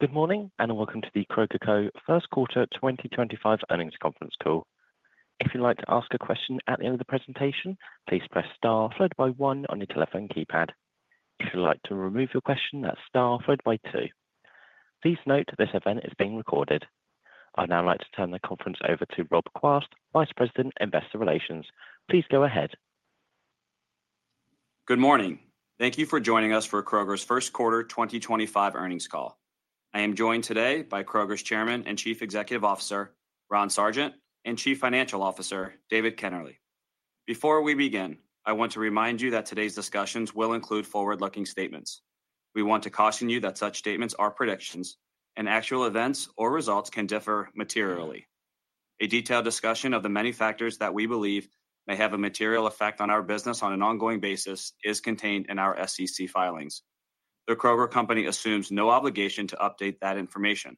Good morning and welcome to the Kroger First Quarter 2025 Earnings Conference Call. If you'd like to ask a question at the end of the presentation, please press star followed by one on your telephone keypad. If you'd like to remove your question, that's star followed by two. Please note this event is being recorded. I'd now like to turn the conference over to Rob Quast, Vice President, Investor Relations. Please go ahead. Good morning. Thank you for joining us for Kroger's First Quarter 2025 Earnings Call. I am joined today by Kroger's Chairman and Chief Executive Officer, Ronald Sargent, and Chief Financial Officer, David Kennerley. Before we begin, I want to remind you that today's discussions will include forward-looking statements. We want to caution you that such statements are predictions, and actual events or results can differ materially. A detailed discussion of the many factors that we believe may have a material effect on our business on an ongoing basis is contained in our SEC filings. The Kroger Company assumes no obligation to update that information.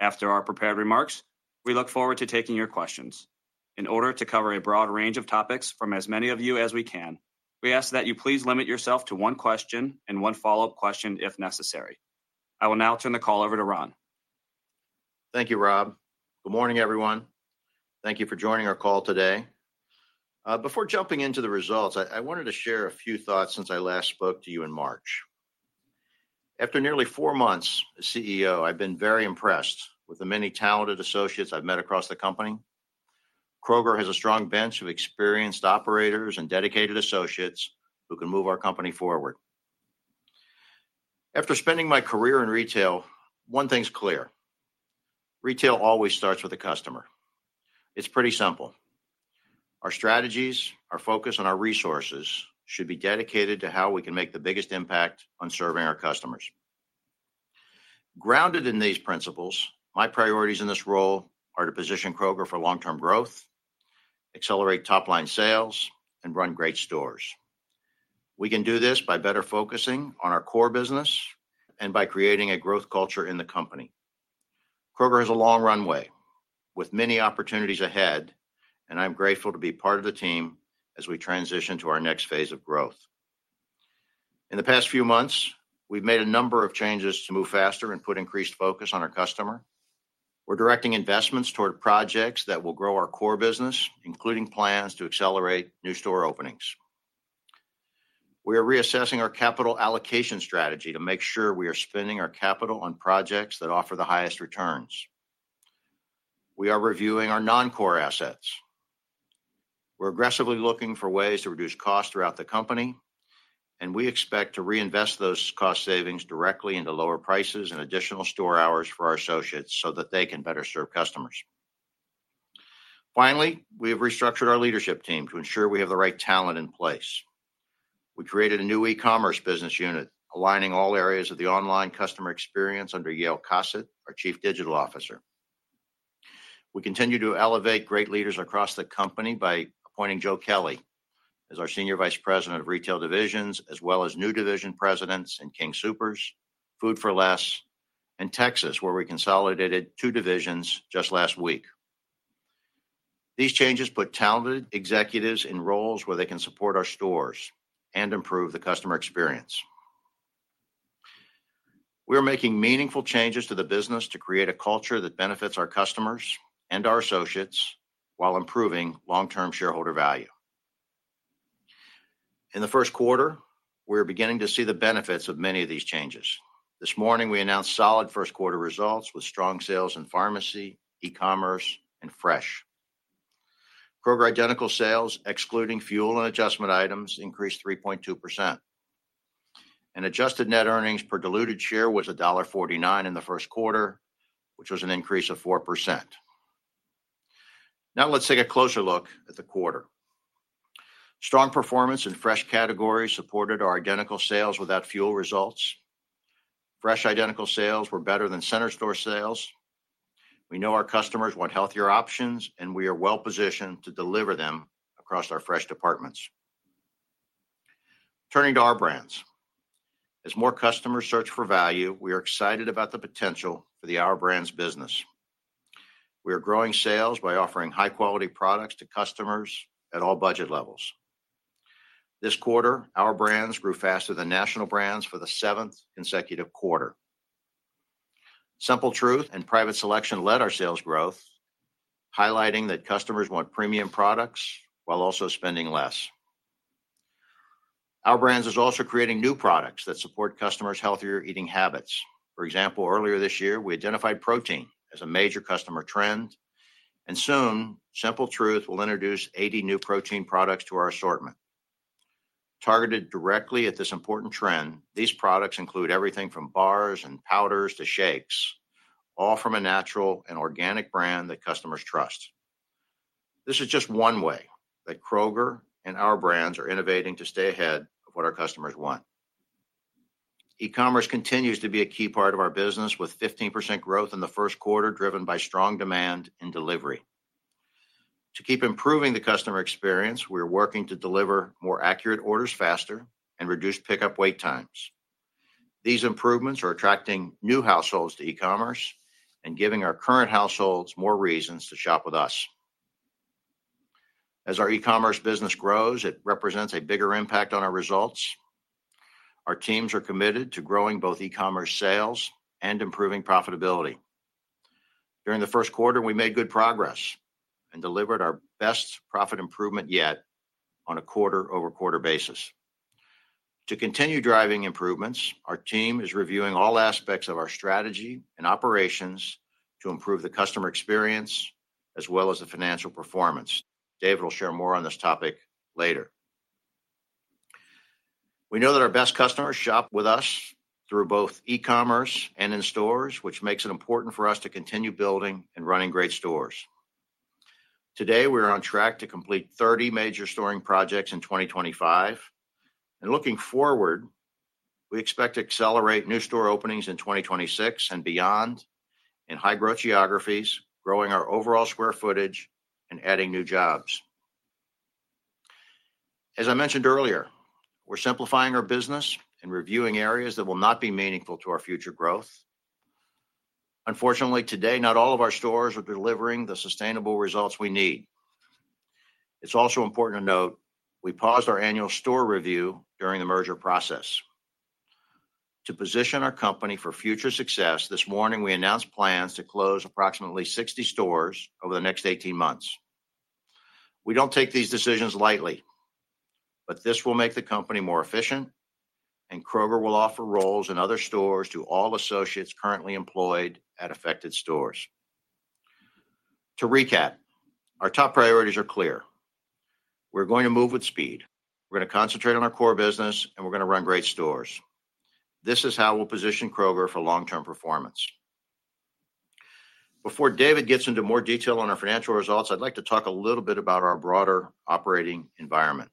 After our prepared remarks, we look forward to taking your questions. In order to cover a broad range of topics from as many of you as we can, we ask that you please limit yourself to one question and one follow-up question if necessary. I will now turn the call over to Ron. Thank you, Rob. Good morning, everyone. Thank you for joining our call today. Before jumping into the results, I wanted to share a few thoughts since I last spoke to you in March. After nearly four months as CEO, I've been very impressed with the many talented associates I've met across the company. Kroger has a strong bench of experienced operators and dedicated associates who can move our company forward. After spending my career in retail, one thing's clear: retail always starts with the customer. It's pretty simple. Our strategies, our focus, and our resources should be dedicated to how we can make the biggest impact on serving our customers. Grounded in these principles, my priorities in this role are to position Kroger for long-term growth, accelerate top-line sales, and run great stores. We can do this by better focusing on our core business and by creating a growth culture in the company. Kroger has a long runway with many opportunities ahead, and I'm grateful to be part of the team as we transition to our next phase of growth. In the past few months, we've made a number of changes to move faster and put increased focus on our customer. We're directing investments toward projects that will grow our core business, including plans to accelerate new store openings. We are reassessing our capital allocation strategy to make sure we are spending our capital on projects that offer the highest returns. We are reviewing our non-core assets. We're aggressively looking for ways to reduce costs throughout the company, and we expect to reinvest those cost savings directly into lower prices and additional store hours for our associates so that they can better serve customers. Finally, we have restructured our leadership team to ensure we have the right talent in place. We created a new e-commerce business unit, aligning all areas of the online customer experience under Yael Cosset, our Chief Digital Officer. We continue to elevate great leaders across the company by appointing Joe Kelley as our Senior Vice President of Retail Divisions, as well as new division presidents in King Soopers, Food for Less, and Texas, where we consolidated two divisions just last week. These changes put talented executives in roles where they can support our stores and improve the customer experience. We are making meaningful changes to the business to create a culture that benefits our customers and our associates while improving long-term shareholder value. In the first quarter, we are beginning to see the benefits of many of these changes. This morning, we announced solid first-quarter results with strong sales in pharmacy, e-commerce, and fresh. Kroger identical sales, excluding fuel and adjustment items, increased 3.2%. An adjusted net earnings per diluted share was $1.49 in the first quarter, which was an increase of 4%. Now let's take a closer look at the quarter. Strong performance in fresh categories supported our identical sales without fuel results. Fresh identical sales were better than center store sales. We know our customers want healthier options, and we are well-positioned to deliver them across our fresh departments. Turning to Our Brands, as more customers search for value, we are excited about the potential for the Our Brands business. We are growing sales by offering high-quality products to customers at all budget levels. This quarter, Our Brands grew faster than national brands for the seventh consecutive quarter. Simple Truth and Private Selection led our sales growth, highlighting that customers want premium products while also spending less. Our Brands is also creating new products that support customers' healthier eating habits. For example, earlier this year, we identified protein as a major customer trend, and soon Simple Truth will introduce 80 new protein products to our assortment. Targeted directly at this important trend, these products include everything from bars and powders to shakes, all from a natural and organic brand that customers trust. This is just one way that Kroger and Our Brands are innovating to stay ahead of what our customers want. E-commerce continues to be a key part of our business, with 15% growth in the first quarter driven by strong demand and delivery. To keep improving the customer experience, we are working to deliver more accurate orders faster and reduce pickup wait times. These improvements are attracting new households to e-commerce and giving our current households more reasons to shop with us. As our e-commerce business grows, it represents a bigger impact on our results. Our teams are committed to growing both e-commerce sales and improving profitability. During the first quarter, we made good progress and delivered our best profit improvement yet on a quarter-over-quarter basis. To continue driving improvements, our team is reviewing all aspects of our strategy and operations to improve the customer experience as well as the financial performance. David will share more on this topic later. We know that our best customers shop with us through both e-commerce and in stores, which makes it important for us to continue building and running great stores. Today, we are on track to complete 30 major storing projects in 2025. Looking forward, we expect to accelerate new store openings in 2026 and beyond in high-growth geographies, growing our overall square footage and adding new jobs. As I mentioned earlier, we're simplifying our business and reviewing areas that will not be meaningful to our future growth. Unfortunately, today, not all of our stores are delivering the sustainable results we need. It's also important to note we paused our annual store review during the merger process. To position our company for future success, this morning, we announced plans to close approximately 60 stores over the next 18 months. We don't take these decisions lightly, but this will make the company more efficient, and Kroger will offer roles in other stores to all associates currently employed at affected stores. To recap, our top priorities are clear. We're going to move with speed. We're going to concentrate on our core business, and we're going to run great stores. This is how we'll position Kroger for long-term performance. Before David gets into more detail on our financial results, I'd like to talk a little bit about our broader operating environment.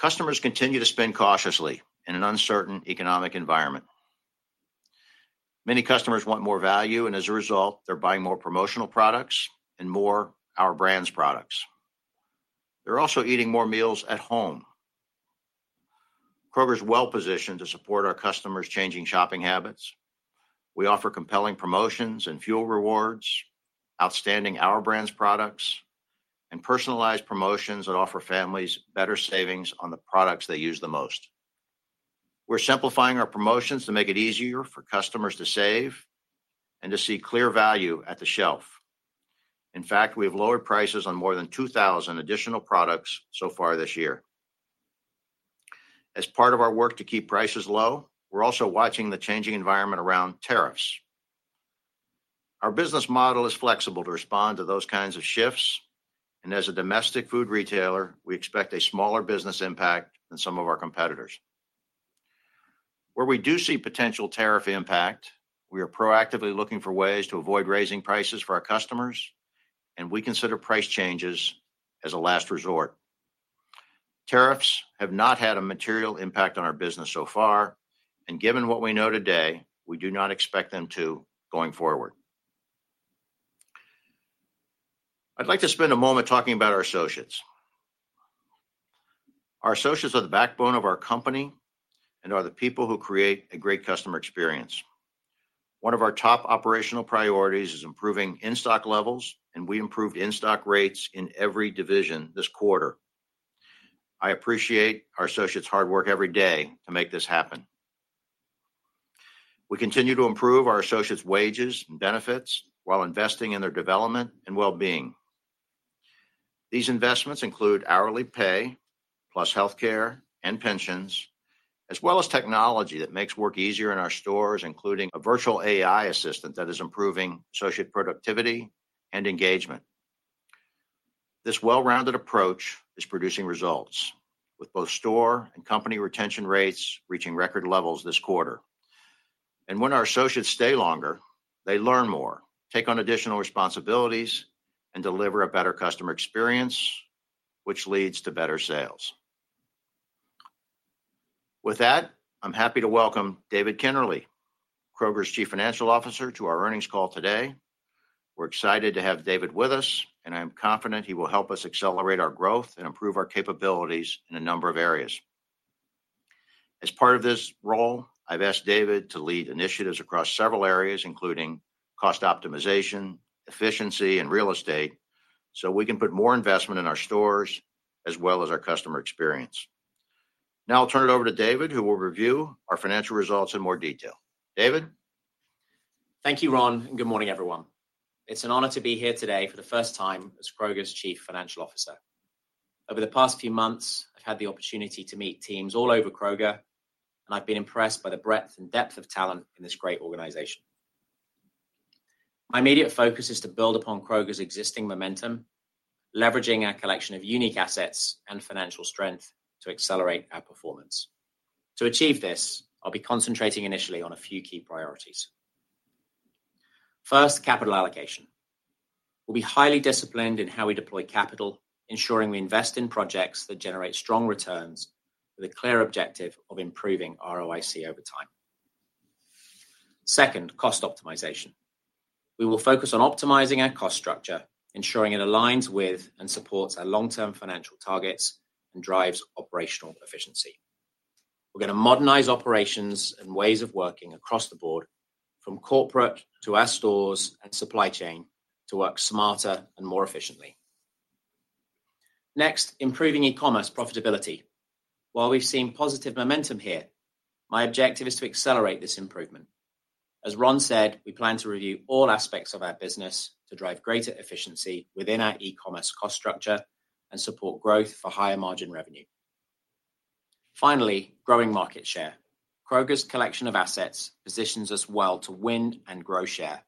Customers continue to spend cautiously in an uncertain economic environment. Many customers want more value, and as a result, they're buying more promotional products and more Our Brands products. They're also eating more meals at home. Kroger's well-positioned to support our customers' changing shopping habits. We offer compelling promotions and fuel rewards, outstanding Our Brands products, and personalized promotions that offer families better savings on the products they use the most. We're simplifying our promotions to make it easier for customers to save and to see clear value at the shelf. In fact, we have lowered prices on more than 2,000 additional products so far this year. As part of our work to keep prices low, we're also watching the changing environment around tariffs. Our business model is flexible to respond to those kinds of shifts, and as a domestic food retailer, we expect a smaller business impact than some of our competitors. Where we do see potential tariff impact, we are proactively looking for ways to avoid raising prices for our customers, and we consider price changes as a last resort. Tariffs have not had a material impact on our business so far, and given what we know today, we do not expect them to going forward. I'd like to spend a moment talking about our associates. Our associates are the backbone of our company and are the people who create a great customer experience. One of our top operational priorities is improving in-stock levels, and we improved in-stock rates in every division this quarter. I appreciate our associates' hard work every day to make this happen. We continue to improve our associates' wages and benefits while investing in their development and well-being. These investments include hourly pay plus healthcare and pensions, as well as technology that makes work easier in our stores, including a virtual AI assistant that is improving associate productivity and engagement. This well-rounded approach is producing results, with both store and company retention rates reaching record levels this quarter. When our associates stay longer, they learn more, take on additional responsibilities, and deliver a better customer experience, which leads to better sales. With that, I'm happy to welcome David Kennerley, Kroger's Chief Financial Officer, to our earnings call today. We're excited to have David with us, and I'm confident he will help us accelerate our growth and improve our capabilities in a number of areas. As part of this role, I've asked David to lead initiatives across several areas, including cost optimization, efficiency, and real estate, so we can put more investment in our stores as well as our customer experience. Now I'll turn it over to David, who will review our financial results in more detail. David. Thank you, Ron, and good morning, everyone. It's an honor to be here today for the first time as Kroger's Chief Financial Officer. Over the past few months, I've had the opportunity to meet teams all over Kroger, and I've been impressed by the breadth and depth of talent in this great organization. My immediate focus is to build upon Kroger's existing momentum, leveraging our collection of unique assets and financial strength to accelerate our performance. To achieve this, I'll be concentrating initially on a few key priorities. First, capital allocation. We'll be highly disciplined in how we deploy capital, ensuring we invest in projects that generate strong returns with a clear objective of improving ROIC over time. Second, cost optimization. We will focus on optimizing our cost structure, ensuring it aligns with and supports our long-term financial targets and drives operational efficiency. We're going to modernize operations and ways of working across the board, from corporate to our stores and supply chain, to work smarter and more efficiently. Next, improving e-commerce profitability. While we've seen positive momentum here, my objective is to accelerate this improvement. As Ron said, we plan to review all aspects of our business to drive greater efficiency within our e-commerce cost structure and support growth for higher margin revenue. Finally, growing market share. Kroger's collection of assets positions us well to win and grow share.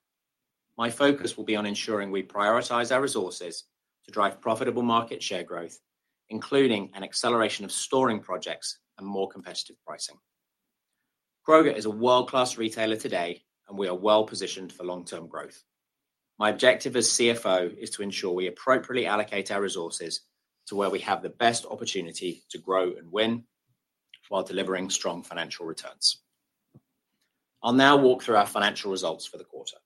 My focus will be on ensuring we prioritize our resources to drive profitable market share growth, including an acceleration of storing projects and more competitive pricing. Kroger is a world-class retailer today, and we are well-positioned for long-term growth. My objective as CFO is to ensure we appropriately allocate our resources to where we have the best opportunity to grow and win while delivering strong financial returns. I'll now walk through our financial results for the quarter.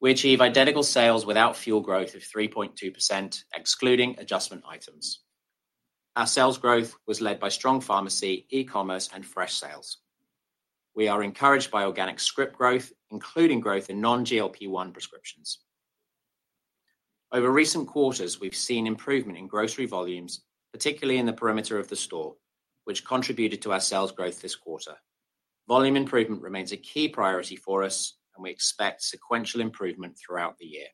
We achieve identical sales without fuel growth of 3.2%, excluding adjustment items. Our sales growth was led by strong pharmacy, e-commerce, and fresh sales. We are encouraged by organic script growth, including growth in non-GLP-1 prescriptions. Over recent quarters, we've seen improvement in grocery volumes, particularly in the perimeter of the store, which contributed to our sales growth this quarter. Volume improvement remains a key priority for us, and we expect sequential improvement throughout the year.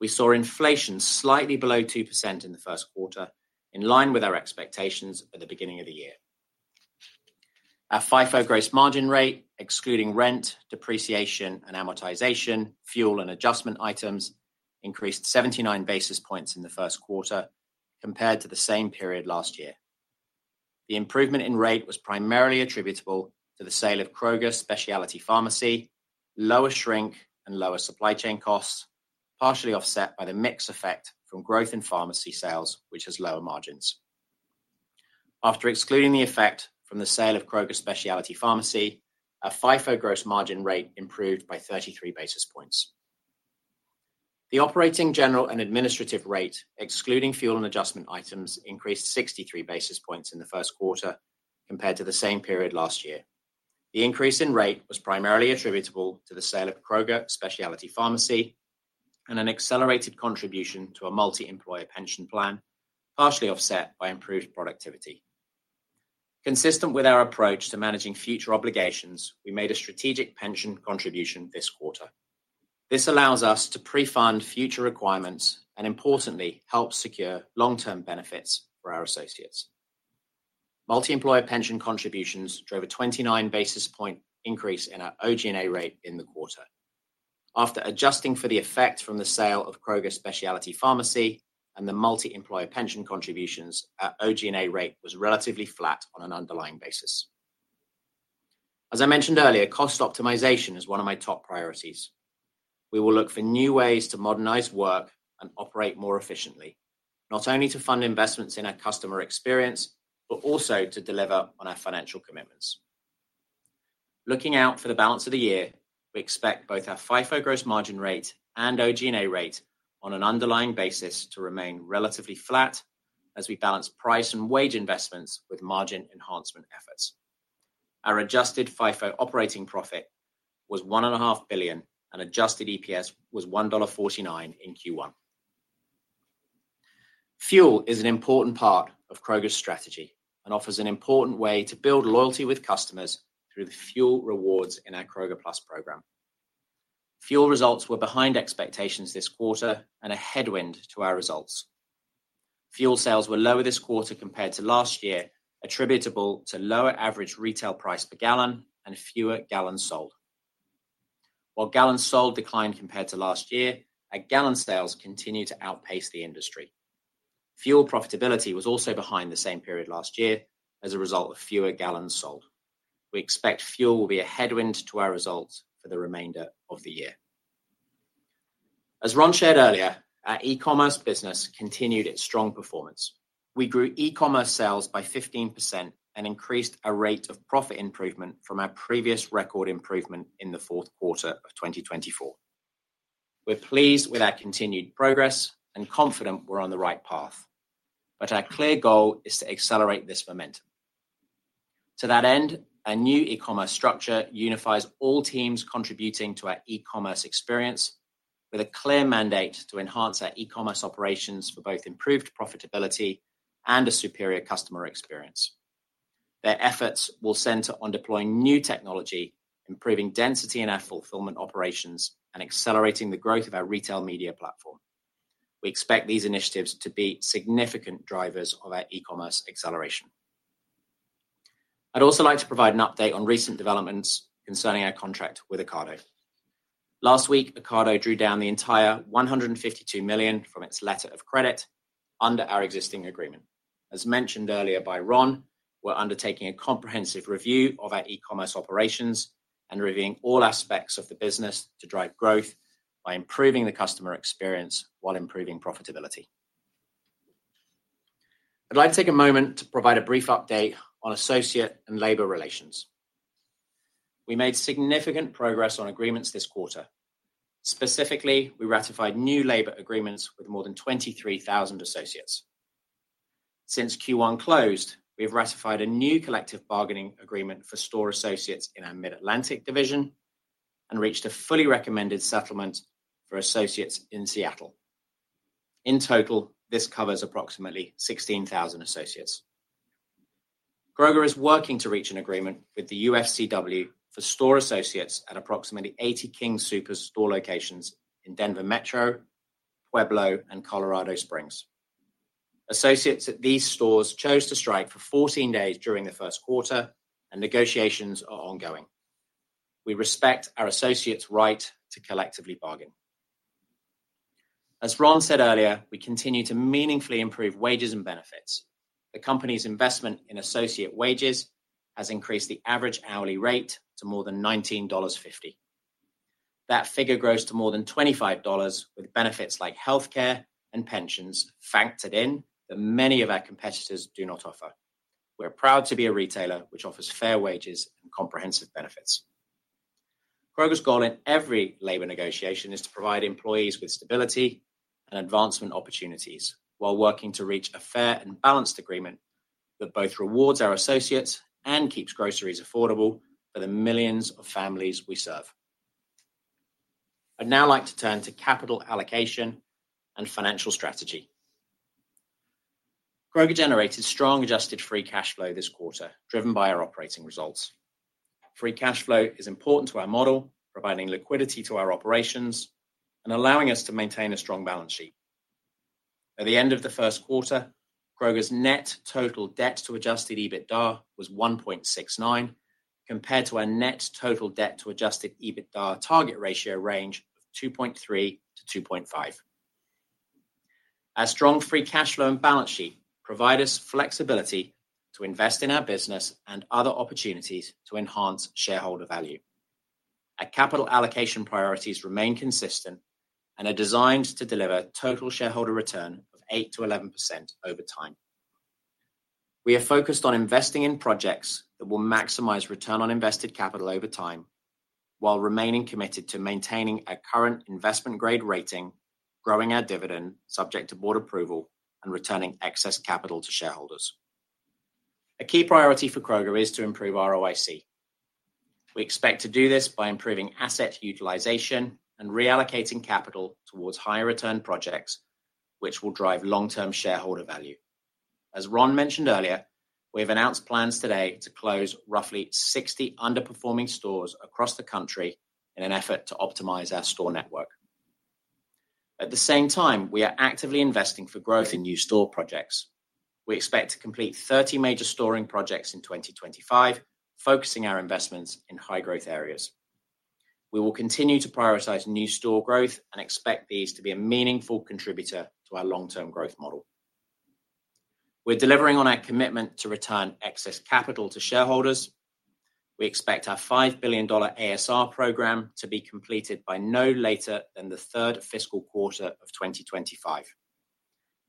We saw inflation slightly below 2% in the first quarter, in line with our expectations at the beginning of the year. Our FIFO gross margin rate, excluding rent, depreciation, and amortization, fuel and adjustment items, increased 79 basis points in the first quarter compared to the same period last year. The improvement in rate was primarily attributable to the sale of Kroger's specialty pharmacy, lower shrink, and lower supply chain costs, partially offset by the mix effect from growth in pharmacy sales, which has lower margins. After excluding the effect from the sale of Kroger's specialty pharmacy, our FIFO gross margin rate improved by 33 basis points. The operating general and administrative rate, excluding fuel and adjustment items, increased 63 basis points in the first quarter compared to the same period last year. The increase in rate was primarily attributable to the sale of Kroger's specialty pharmacy and an accelerated contribution to a multi-employer pension plan, partially offset by improved productivity. Consistent with our approach to managing future obligations, we made a strategic pension contribution this quarter. This allows us to pre-fund future requirements and, importantly, help secure long-term benefits for our associates. Multi-employer pension contributions drove a 29 basis point increase in our OG&A rate in the quarter. After adjusting for the effect from the sale of Kroger's specialty pharmacy and the multi-employer pension contributions, our OG&A rate was relatively flat on an underlying basis. As I mentioned earlier, cost optimization is one of my top priorities. We will look for new ways to modernize work and operate more efficiently, not only to fund investments in our customer experience, but also to deliver on our financial commitments. Looking out for the balance of the year, we expect both our FIFO gross margin rate and OG&A rate on an underlying basis to remain relatively flat as we balance price and wage investments with margin enhancement efforts. Our adjusted FIFO operating profit was $1.5 billion, and adjusted EPS was $1.49 in Q1. Fuel is an important part of Kroger's strategy and offers an important way to build loyalty with customers through the fuel rewards in our Kroger Plus program. Fuel results were behind expectations this quarter and a headwind to our results. Fuel sales were lower this quarter compared to last year, attributable to lower average retail price per gallon and fewer gallons sold. While gallons sold declined compared to last year, our gallon sales continue to outpace the industry. Fuel profitability was also behind the same period last year as a result of fewer gallons sold. We expect fuel will be a headwind to our results for the remainder of the year. As Ron shared earlier, our e-commerce business continued its strong performance. We grew e-commerce sales by 15% and increased our rate of profit improvement from our previous record improvement in the fourth quarter of 2024. We're pleased with our continued progress and confident we're on the right path, but our clear goal is to accelerate this momentum. To that end, our new e-commerce structure unifies all teams contributing to our e-commerce experience with a clear mandate to enhance our e-commerce operations for both improved profitability and a superior customer experience. Their efforts will center on deploying new technology, improving density in our fulfillment operations, and accelerating the growth of our retail media platform. We expect these initiatives to be significant drivers of our e-commerce acceleration. I'd also like to provide an update on recent developments concerning our contract with Ocado. Last week, Ocado drew down the entire $152 million from its letter of credit under our existing agreement. As mentioned earlier by Ron, we're undertaking a comprehensive review of our e-commerce operations and reviewing all aspects of the business to drive growth by improving the customer experience while improving profitability. I'd like to take a moment to provide a brief update on associate and labor relations. We made significant progress on agreements this quarter. Specifically, we ratified new labor agreements with more than 23,000 associates. Since Q1 closed, we have ratified a new collective bargaining agreement for store associates in our Mid-Atlantic division and reached a fully recommended settlement for associates in Seattle. In total, this covers approximately 16,000 associates. Kroger is working to reach an agreement with the UFCW for store associates at approximately 80 King Soopers store locations in Denver Metro, Pueblo, and Colorado Springs. Associates at these stores chose to strike for 14 days during the first quarter, and negotiations are ongoing. We respect our associates' right to collectively bargain. As Ron said earlier, we continue to meaningfully improve wages and benefits. The company's investment in associate wages has increased the average hourly rate to more than $19.50. That figure grows to more than $25 with benefits like healthcare and pensions factored in that many of our competitors do not offer. We're proud to be a retailer which offers fair wages and comprehensive benefits. Kroger's goal in every labor negotiation is to provide employees with stability and advancement opportunities while working to reach a fair and balanced agreement that both rewards our associates and keeps groceries affordable for the millions of families we serve. I'd now like to turn to capital allocation and financial strategy. Kroger generated strong adjusted free cash flow this quarter, driven by our operating results. Free cash flow is important to our model, providing liquidity to our operations and allowing us to maintain a strong balance sheet. At the end of the first quarter, Kroger's net total debt to adjusted EBITDA was 1.69 compared to our net total debt to adjusted EBITDA target ratio range of 2.3-2.5. Our strong free cash flow and balance sheet provide us flexibility to invest in our business and other opportunities to enhance shareholder value. Our capital allocation priorities remain consistent and are designed to deliver total shareholder return of 8-11% over time. We are focused on investing in projects that will maximize return on invested capital over time while remaining committed to maintaining our current investment grade rating, growing our dividend subject to board approval, and returning excess capital to shareholders. A key priority for Kroger is to improve ROIC. We expect to do this by improving asset utilization and reallocating capital towards higher return projects, which will drive long-term shareholder value. As Ron mentioned earlier, we have announced plans today to close roughly 60 underperforming stores across the country in an effort to optimize our store network. At the same time, we are actively investing for growth in new store projects. We expect to complete 30 major storing projects in 2025, focusing our investments in high-growth areas. We will continue to prioritize new store growth and expect these to be a meaningful contributor to our long-term growth model. We're delivering on our commitment to return excess capital to shareholders. We expect our $5 billion ASR program to be completed by no later than the third fiscal quarter of 2025.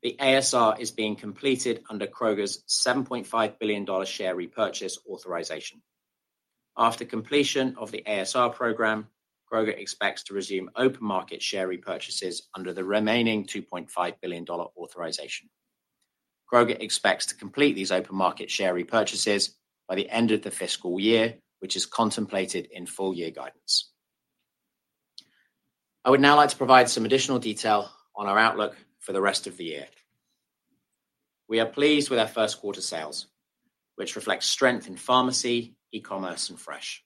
The ASR is being completed under Kroger's $7.5 billion share repurchase authorization. After completion of the ASR program, Kroger expects to resume open market share repurchases under the remaining $2.5 billion authorization. Kroger expects to complete these open market share repurchases by the end of the fiscal year, which is contemplated in full year guidance. I would now like to provide some additional detail on our outlook for the rest of the year. We are pleased with our first quarter sales, which reflects strength in pharmacy, e-commerce, and fresh.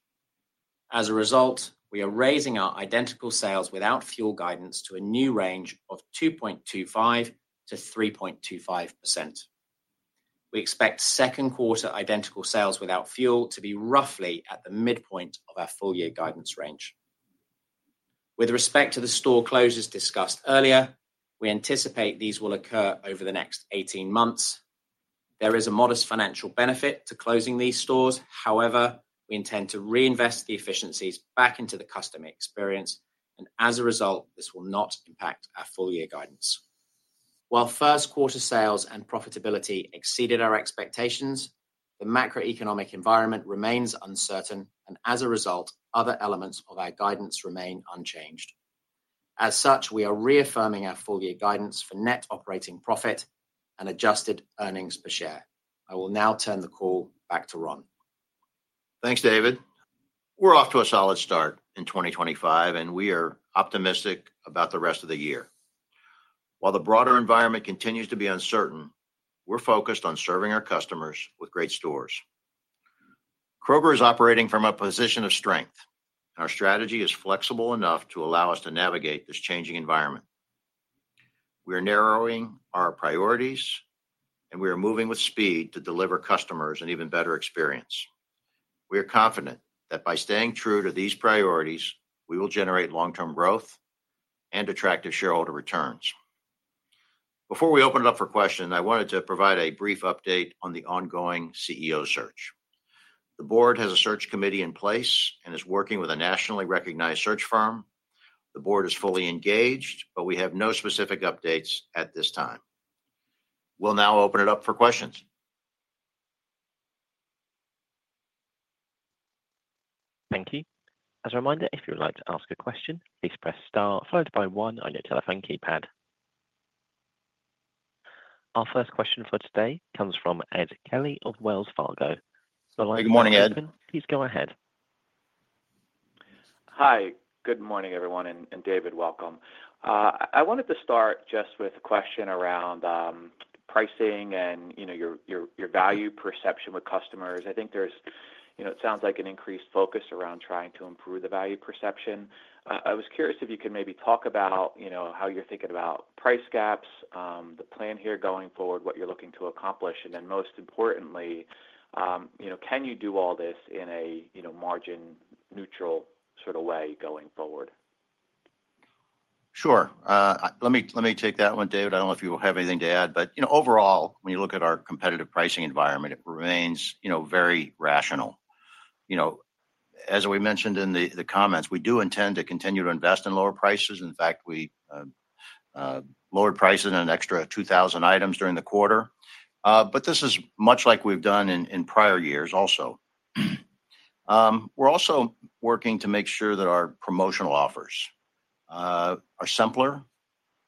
As a result, we are raising our identical sales without fuel guidance to a new range of 2.25-3.25%. We expect second quarter identical sales without fuel to be roughly at the midpoint of our full year guidance range. With respect to the store closures discussed earlier, we anticipate these will occur over the next 18 months. There is a modest financial benefit to closing these stores. However, we intend to reinvest the efficiencies back into the customer experience, and as a result, this will not impact our full year guidance. While first quarter sales and profitability exceeded our expectations, the macroeconomic environment remains uncertain, and as a result, other elements of our guidance remain unchanged. As such, we are reaffirming our full year guidance for net operating profit and adjusted earnings per share. I will now turn the call back to Ron. Thanks, David. We're off to a solid start in 2025, and we are optimistic about the rest of the year. While the broader environment continues to be uncertain, we're focused on serving our customers with great stores. Kroger is operating from a position of strength. Our strategy is flexible enough to allow us to navigate this changing environment. We are narrowing our priorities, and we are moving with speed to deliver customers an even better experience. We are confident that by staying true to these priorities, we will generate long-term growth and attractive shareholder returns. Before we open it up for questions, I wanted to provide a brief update on the ongoing CEO search. The board has a search committee in place and is working with a nationally recognized search firm. The board is fully engaged, but we have no specific updates at this time. We'll now open it up for questions. Thank you. As a reminder, if you'd like to ask a question, please press star followed by one on your telephone keypad. Our first question for today comes from Ed Kelly of Wells Fargo. Good morning, Ed. Please go ahead. Hi. Good morning, everyone, and David, welcome. I wanted to start just with a question around pricing and your value perception with customers. I think there's, it sounds like, an increased focus around trying to improve the value perception. I was curious if you could maybe talk about how you're thinking about price gaps, the plan here going forward, what you're looking to accomplish, and then, most importantly, can you do all this in a margin-neutral sort of way going forward? Sure. Let me take that one, David. I don't know if you have anything to add. Overall, when you look at our competitive pricing environment, it remains very rational. As we mentioned in the comments, we do intend to continue to invest in lower prices. In fact, we lowered prices on an extra 2,000 items during the quarter, but this is much like we've done in prior years also. We're also working to make sure that our promotional offers are simpler.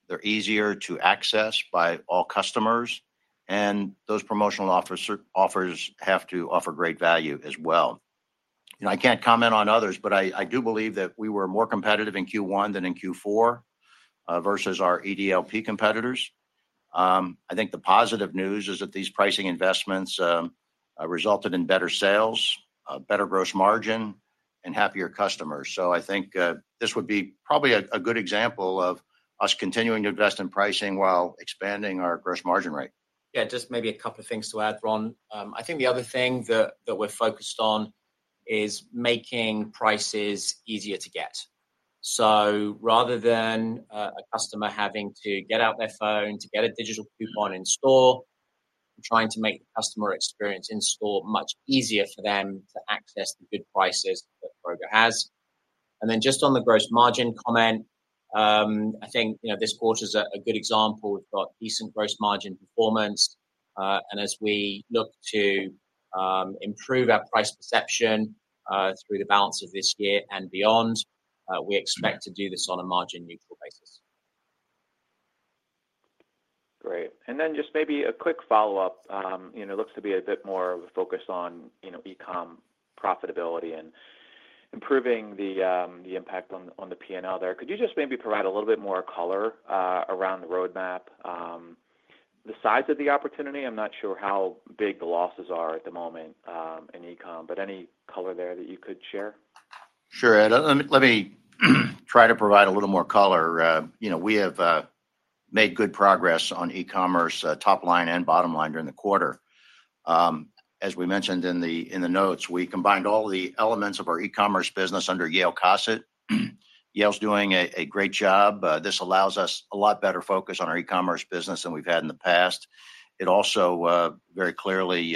They're easier to access by all customers, and those promotional offers have to offer great value as well. I can't comment on others, but I do believe that we were more competitive in Q1 than in Q4 versus our EDLP competitors. I think the positive news is that these pricing investments resulted in better sales, better gross margin, and happier customers. I think this would be probably a good example of us continuing to invest in pricing while expanding our gross margin rate. Yeah, just maybe a couple of things to add, Ron. I think the other thing that we're focused on is making prices easier to get. Rather than a customer having to get out their phone to get a digital coupon in store, we're trying to make the customer experience in store much easier for them to access the good prices that Kroger has. Just on the gross margin comment, I think this quarter's a good example. We've got decent gross margin performance. As we look to improve our price perception through the balance of this year and beyond, we expect to do this on a margin-neutral basis. Great. Just maybe a quick follow-up. It looks to be a bit more of a focus on e-comm profitability and improving the impact on the P&L there. Could you just maybe provide a little bit more color around the roadmap? The size of the opportunity, I'm not sure how big the losses are at the moment in e-comm, but any color there that you could share? Sure. Let me try to provide a little more color. We have made good progress on e-commerce, top line and bottom line, during the quarter. As we mentioned in the notes, we combined all the elements of our e-commerce business under Yael Cosset. Yael's doing a great job. This allows us a lot better focus on our e-commerce business than we've had in the past. It also very clearly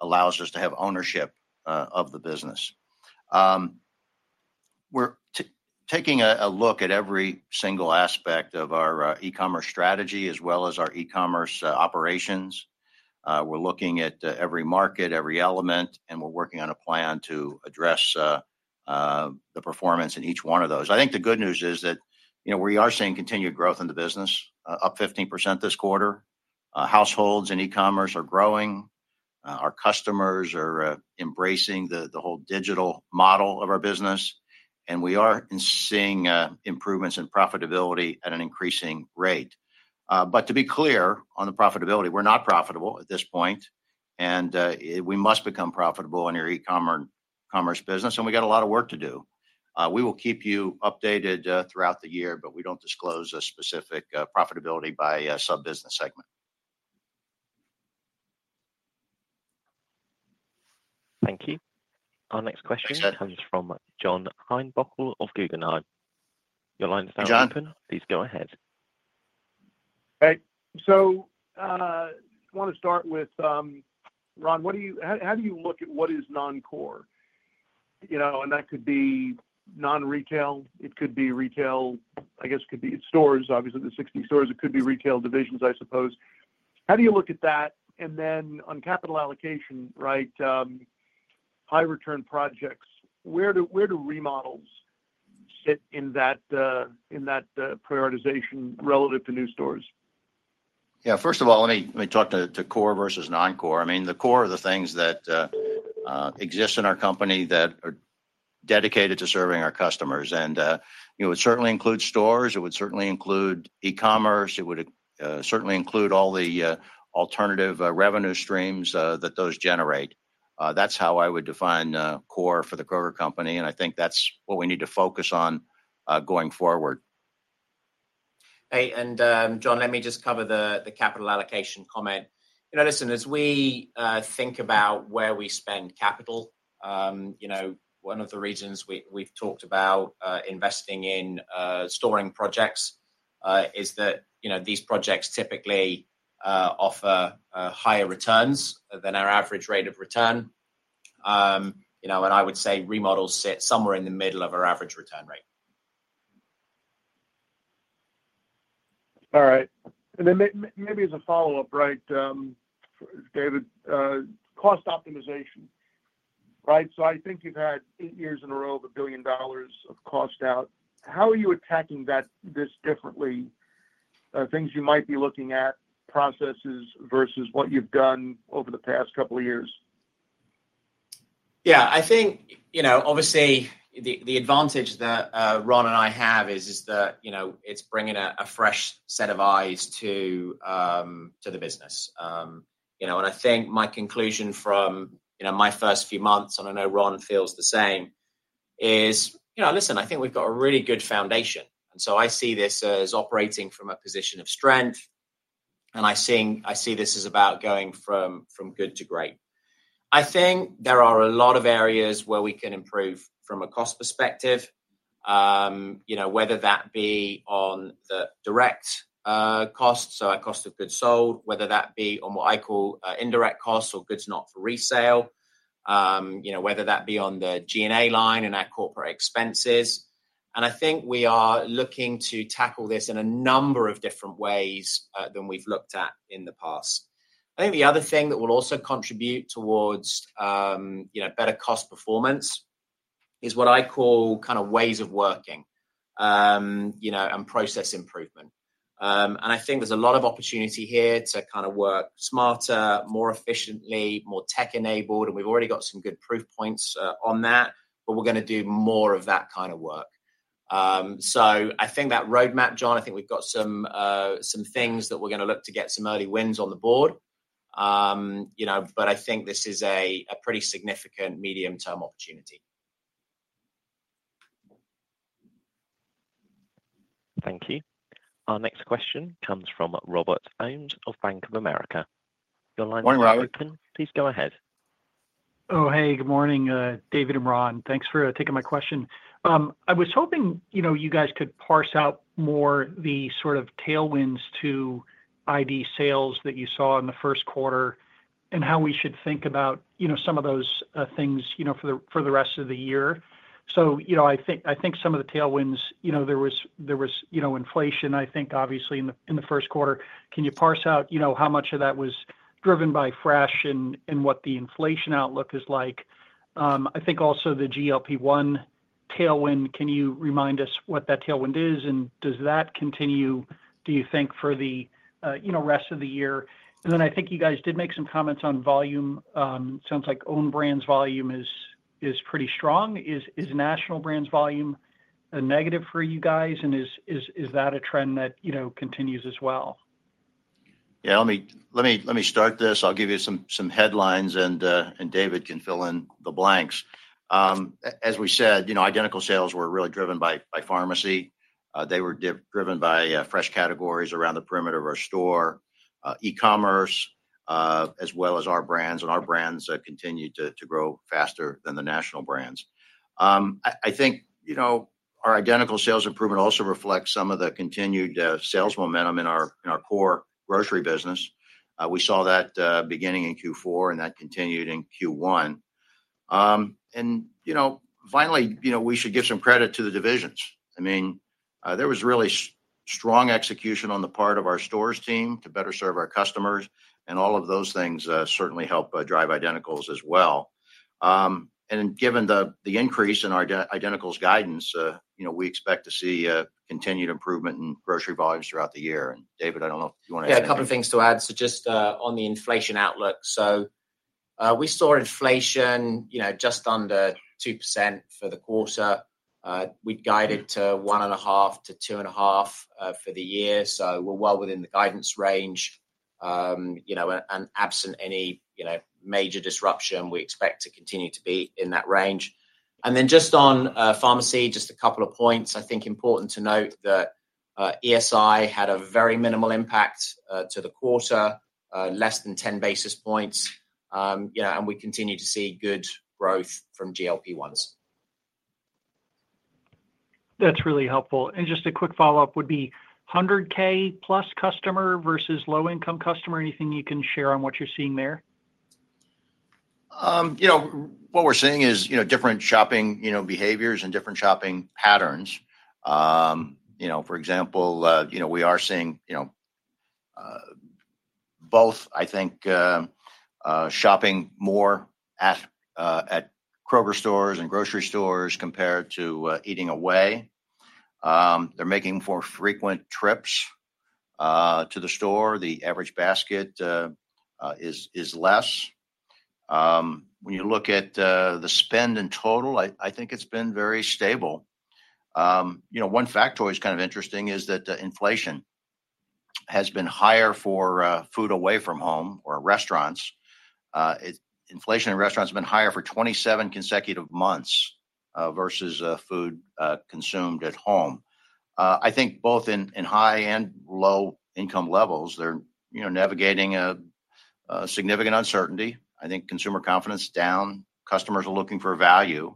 allows us to have ownership of the business. We're taking a look at every single aspect of our e-commerce strategy as well as our e-commerce operations. We're looking at every market, every element, and we're working on a plan to address the performance in each one of those. I think the good news is that we are seeing continued growth in the business, up 15% this quarter. Households and e-commerce are growing. Our customers are embracing the whole digital model of our business, and we are seeing improvements in profitability at an increasing rate. To be clear on the profitability, we're not profitable at this point, and we must become profitable in our e-commerce business, and we got a lot of work to do. We will keep you updated throughout the year, but we don't disclose a specific profitability by sub-business segment. Thank you. Our next question comes from John Heinbockel of Guggenheim. Your line's now open. Please go ahead. Hey. I want to start with, Ron, how do you look at what is non-core? That could be non-retail. It could be retail. I guess it could be stores, obviously, the 60 stores. It could be retail divisions, I suppose. How do you look at that? On capital allocation, right, high-return projects, where do remodels sit in that prioritization relative to new stores? Yeah. First of all, let me talk to core versus non-core. I mean, the core are the things that exist in our company that are dedicated to serving our customers. It certainly includes stores. It would certainly include e-commerce. It would certainly include all the alternative revenue streams that those generate. That is how I would define core for the Kroger company. I think that is what we need to focus on going forward. Hey. John, let me just cover the capital allocation comment. Listen, as we think about where we spend capital, one of the reasons we've talked about investing in storing projects is that these projects typically offer higher returns than our average rate of return. I would say remodels sit somewhere in the middle of our average return rate. All right. Maybe as a follow-up, right, David, cost optimization, right? I think you've had eight years in a row of a billion dollars of cost out. How are you attacking this differently? Things you might be looking at, processes versus what you've done over the past couple of years? Yeah. I think, obviously, the advantage that Ron and I have is that it's bringing a fresh set of eyes to the business. I think my conclusion from my first few months, and I know Ron feels the same, is, listen, I think we've got a really good foundation. I see this as operating from a position of strength, and I see this as about going from good to great. I think there are a lot of areas where we can improve from a cost perspective, whether that be on the direct costs, so our cost of goods sold, whether that be on what I call indirect costs or goods not for resale, whether that be on the G&A line and our corporate expenses. I think we are looking to tackle this in a number of different ways than we've looked at in the past. I think the other thing that will also contribute towards better cost performance is what I call kind of ways of working and process improvement. I think there's a lot of opportunity here to kind of work smarter, more efficiently, more tech-enabled. We've already got some good proof points on that, but we're going to do more of that kind of work. I think that roadmap, John, I think we've got some things that we're going to look to get some early wins on the board. I think this is a pretty significant medium-term opportunity. Thank you. Our next question comes from Robert Owens of Bank of America. Your line's now open. Please go ahead. Oh, hey. Good morning, David and Ron. Thanks for taking my question. I was hoping you guys could parse out more of the sort of tailwinds to ID sales that you saw in the first quarter and how we should think about some of those things for the rest of the year. I think some of the tailwinds, there was inflation, I think, obviously, in the first quarter. Can you parse out how much of that was driven by fresh and what the inflation outlook is like? I think also the GLP-1 tailwind, can you remind us what that tailwind is, and does that continue, do you think, for the rest of the year? I think you guys did make some comments on volume. It sounds like own brands volume is pretty strong. Is national brands volume a negative for you guys, and is that a trend that continues as well? Yeah. Let me start this. I'll give you some headlines, and David can fill in the blanks. As we said, identical sales were really driven by pharmacy. They were driven by fresh categories around the perimeter of our store, e-commerce, as well as our brands. And our brands continue to grow faster than the national brands. I think our identical sales improvement also reflects some of the continued sales momentum in our core grocery business. We saw that beginning in Q4, and that continued in Q1. Finally, we should give some credit to the divisions. I mean, there was really strong execution on the part of our stores team to better serve our customers. All of those things certainly help drive identicals as well. Given the increase in our identicals guidance, we expect to see continued improvement in grocery volumes throughout the year. David, I do not know if you want to add to that. Yeah. A couple of things to add. Just on the inflation outlook, we saw inflation just under 2% for the quarter. We had guided to 1.5%-2.5% for the year. We are well within the guidance range. Absent any major disruption, we expect to continue to be in that range. Just on pharmacy, a couple of points. I think it is important to note that ESI had a very minimal impact to the quarter, less than 10 basis points. We continue to see good growth from GLP-1s. That is really helpful. Just a quick follow-up would be $100,000 plus customer versus low-income customer. Anything you can share on what you are seeing there? What we are seeing is different shopping behaviors and different shopping patterns. For example, we are seeing both, I think, shopping more at Kroger stores and grocery stores compared to eating away. They're making more frequent trips to the store. The average basket is less. When you look at the spend in total, I think it's been very stable. One factor is kind of interesting is that inflation has been higher for food away from home or restaurants. Inflation in restaurants has been higher for 27 consecutive months versus food consumed at home. I think both in high and low-income levels, they're navigating significant uncertainty. I think consumer confidence is down. Customers are looking for value.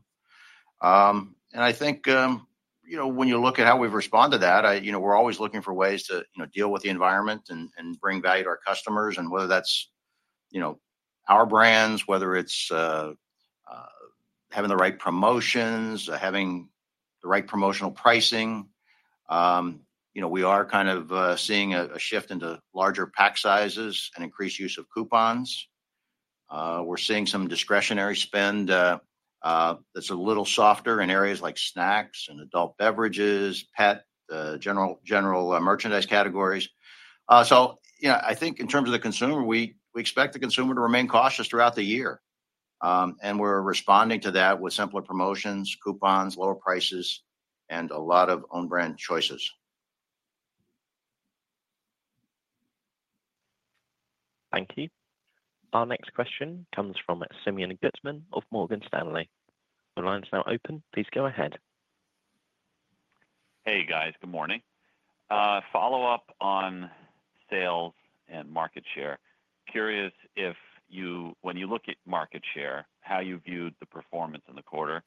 I think when you look at how we've responded to that, we're always looking for ways to deal with the environment and bring value to our customers. Whether that's our brands, whether it's having the right promotions, having the right promotional pricing. We are kind of seeing a shift into larger pack sizes and increased use of coupons. We're seeing some discretionary spend that's a little softer in areas like snacks and adult beverages, pet, general merchandise categories. I think in terms of the consumer, we expect the consumer to remain cautious throughout the year. We're responding to that with simpler promotions, coupons, lower prices, and a lot of own brand choices. Thank you. Our next question comes from Simeon Gutman of Morgan Stanley. The line's now open. Please go ahead. Hey, guys. Good morning. Follow-up on sales and market share. Curious if when you look at market share, how you viewed the performance in the quarter,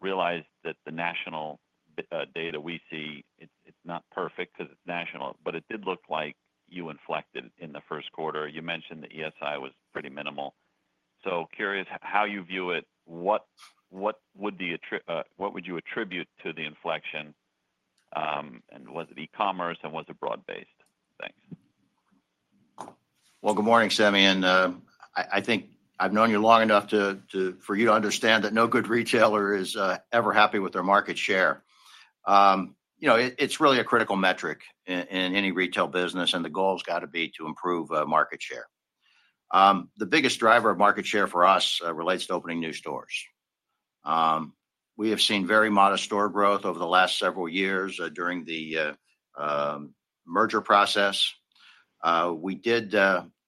realized that the national data we see, it's not perfect because it's national, but it did look like you inflected in the first quarter. You mentioned that ESI was pretty minimal. Curious how you view it. What would you attribute to the inflection? Was it e-commerce, and was it broad-based? Thanks. Good morning, Simeon. I think I've known you long enough for you to understand that no good retailer is ever happy with their market share. It is really a critical metric in any retail business, and the goal's got to be to improve market share. The biggest driver of market share for us relates to opening new stores. We have seen very modest store growth over the last several years during the merger process. We did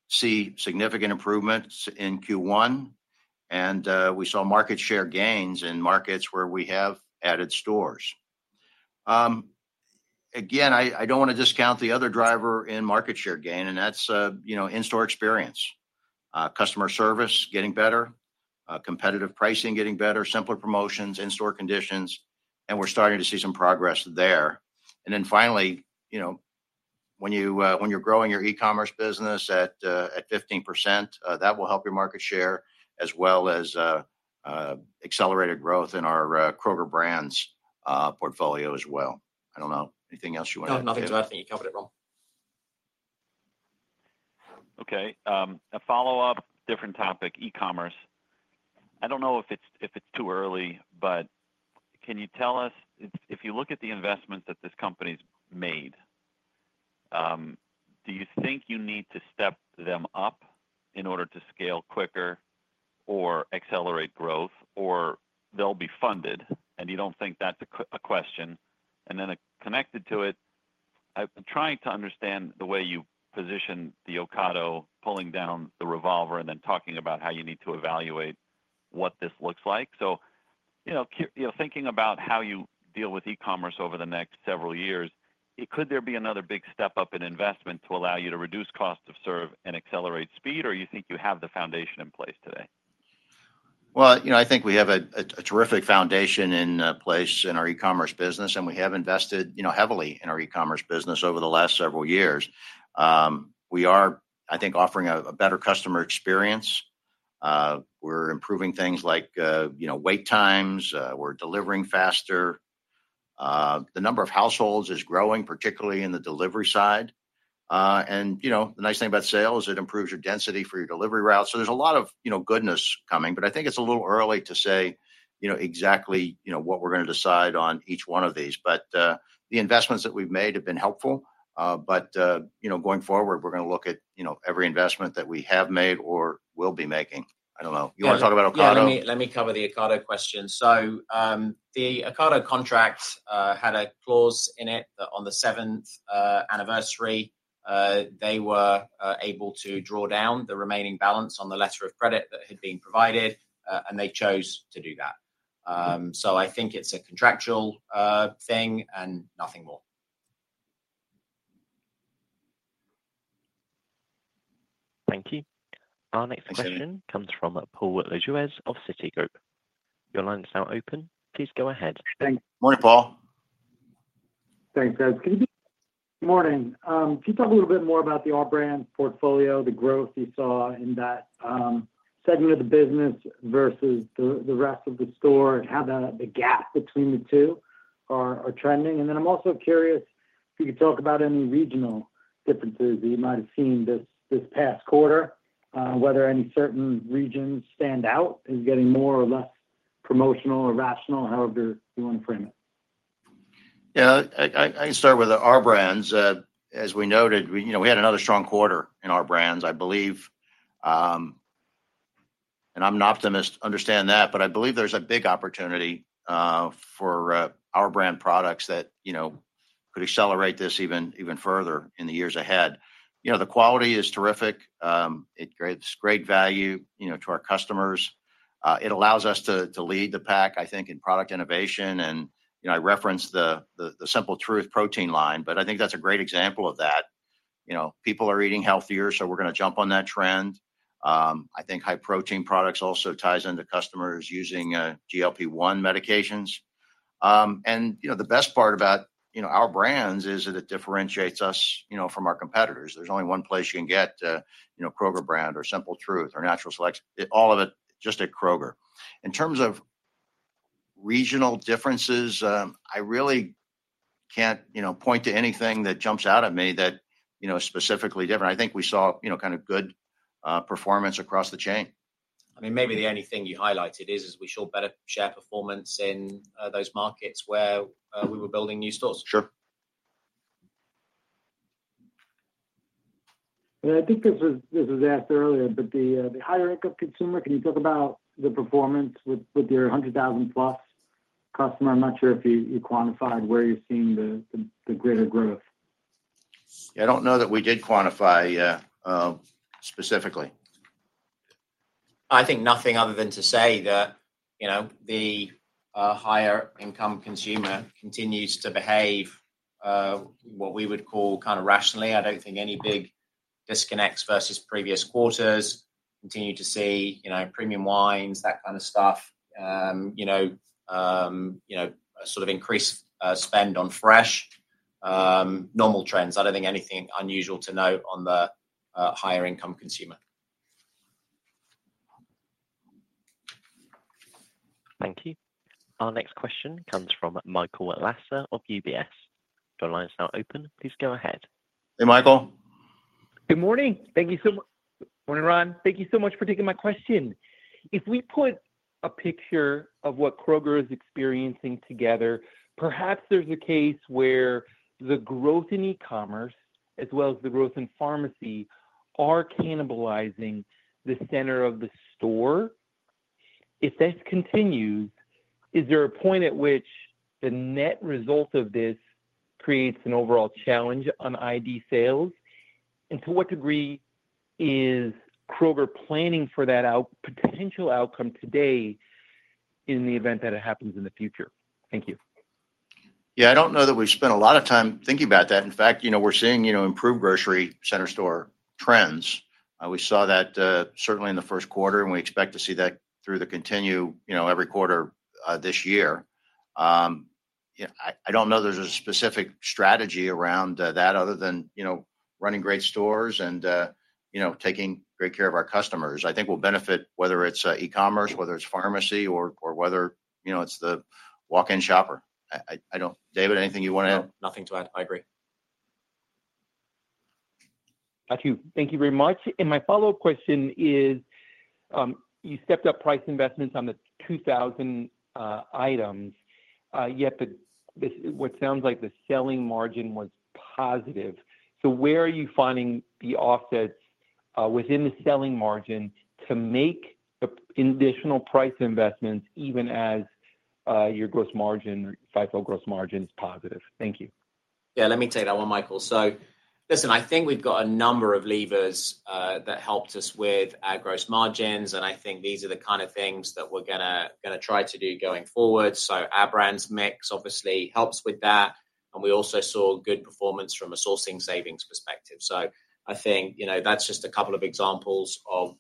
see significant improvements in Q1, and we saw market share gains in markets where we have added stores. Again, I do not want to discount the other driver in market share gain, and that is in-store experience. Customer service getting better, competitive pricing getting better, simpler promotions, in-store conditions, and we're starting to see some progress there. Finally, when you're growing your e-commerce business at 15%, that will help your market share as well as accelerated growth in our Kroger brands portfolio as well. I don't know. Anything else you want to add to that? No, nothing to add. I think you covered it, Ron. Okay. A follow-up, different topic, e-commerce. I don't know if it's too early, but can you tell us, if you look at the investments that this company's made, do you think you need to step them up in order to scale quicker or accelerate growth, or they'll be funded, and you don't think that's a question? Then connected to it, I'm trying to understand the way you positioned the Ocado pulling down the revolver and then talking about how you need to evaluate what this looks like. Thinking about how you deal with e-commerce over the next several years, could there be another big step up in investment to allow you to reduce cost of serve and accelerate speed, or do you think you have the foundation in place today? I think we have a terrific foundation in place in our e-commerce business, and we have invested heavily in our e-commerce business over the last several years. I think we are offering a better customer experience. We're improving things like wait times. We're delivering faster. The number of households is growing, particularly in the delivery side. The nice thing about sales is it improves your density for your delivery route. There's a lot of goodness coming, but I think it's a little early to say exactly what we're going to decide on each one of these. The investments that we've made have been helpful. Going forward, we're going to look at every investment that we have made or will be making. I don't know. You want to talk about Ocado? Let me cover the Ocado question. The Ocado contract had a clause in it that on the seventh anniversary, they were able to draw down the remaining balance on the letter of credit that had been provided, and they chose to do that. I think it's a contractual thing and nothing more. Thank you. Our next question comes from Paul Lejuez of Citigroup. Your line's now open. Please go ahead. Thanks. Morning, Paul. Thanks, Rd. Good morning. Can you talk a little bit more about the Our Brands portfolio, the growth you saw in that segment of the business versus the rest of the store, and how the gap between the two are trending? I am also curious if you could talk about any regional differences that you might have seen this past quarter, whether any certain regions stand out as getting more or less promotional or rational, however you want to frame it. Yeah. I can start with Our Brands. As we noted, we had another strong quarter in Our Brands, I believe. I am an optimist, understand that. I believe there is a big opportunity for Our Brands products that could accelerate this even further in the years ahead. The quality is terrific. It is great value to our customers. It allows us to lead the pack, I think, in product innovation. I referenced the Simple Truth protein line, but I think that's a great example of that. People are eating healthier, so we're going to jump on that trend. I think high protein products also ties into customers using GLP-1 medications. The best part about our brands is that it differentiates us from our competitors. There's only one place you can get Kroger brand or Simple Truth or Natural Select. All of it just at Kroger. In terms of regional differences, I really can't point to anything that jumps out at me that's specifically different. I think we saw kind of good performance across the chain. I mean, maybe the only thing you highlighted is we saw better share performance in those markets where we were building new stores. Sure. I mean, I think this was asked earlier, but the higher income consumer, can you talk about the performance with your $100,000-plus customer? I'm not sure if you quantified where you're seeing the greater growth. Yeah. I don't know that we did quantify specifically. I think nothing other than to say that the higher-income consumer continues to behave what we would call kind of rationally. I don't think any big disconnects versus previous quarters. Continue to see premium wines, that kind of stuff. A sort of increased spend on fresh. Normal trends. I don't think anything unusual to note on the higher-income consumer. Thank you. Our next question comes from Michael Lasser of UBS. Your line's now open. Please go ahead. Hey, Michael. Good morning. Thank you so much. Morning, Ron. Thank you so much for taking my question. If we put a picture of what Kroger is experiencing together, perhaps there's a case where the growth in e-commerce as well as the growth in pharmacy are cannibalizing the center of the store. If this continues, is there a point at which the net result of this creates an overall challenge on ID sales? To what degree is Kroger planning for that potential outcome today in the event that it happens in the future? Thank you. Yeah. I don't know that we've spent a lot of time thinking about that. In fact, we're seeing improved grocery center store trends. We saw that certainly in the first quarter, and we expect to see that continue every quarter this year. I don't know there's a specific strategy around that other than running great stores and taking great care of our customers. I think we'll benefit whether it's e-commerce, whether it's pharmacy, or whether it's the walk-in shopper. David, anything you want to add? Nothing to add. I agree. Thank you. Thank you very much. And my follow-up question is you stepped up price investments on the 2,000 items, yet what sounds like the selling margin was positive. So where are you finding the offsets within the selling margin to make additional price investments even as your gross margin, FIFO gross margin, is positive? Thank you. Yeah. Let me take that one, Michael. Listen, I think we've got a number of levers that helped us with our gross margins, and I think these are the kind of things that we're going to try to do going forward. Our brand's mix, obviously, helps with that. We also saw good performance from a sourcing savings perspective. I think that's just a couple of examples of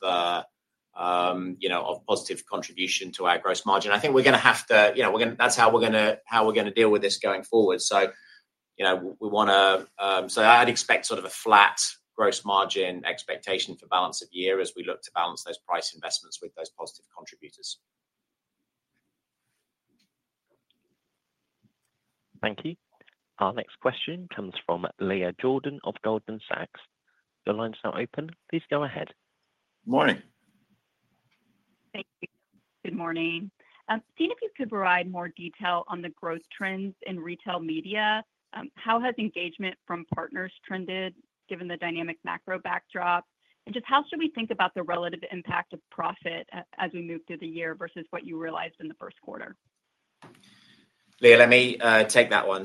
positive contribution to our gross margin. I think we're going to have to, that's how we're going to deal with this going forward. We want to, so I'd expect sort of a flat gross margin expectation for balance of year as we look to balance those price investments with those positive contributors. Thank you. Our next question comes from Leah Jordan of Goldman Sachs. Your line's now open. Please go ahead. Morning. Thank you. Good morning. Seeing if you could provide more detail on the growth trends in retail media. How has engagement from partners trended given the dynamic macro backdrop? And just how should we think about the relative impact of profit as we move through the year versus what you realized in the first quarter? Leah, let me take that one.